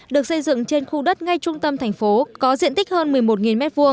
được xây dựng trên khu đất ngay trung tâm thành phố có diện tích hơn một mươi một m hai